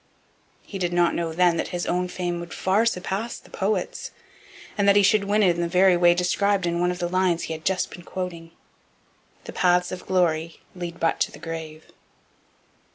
He did not know then that his own fame would far surpass the poet's, and that he should win it in the very way described in one of the lines he had just been quoting The paths of glory lead but to the grave.